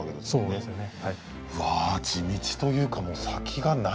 そうですね。